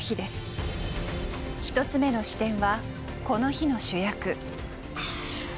１つ目の視点はこの日の主役。